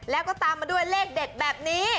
แล้วก็ตามมาด้วยเลขเด็ดแบบนี้